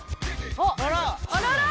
「あらら？」